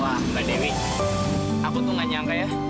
wah mbak dewi aku tuh gak nyangka ya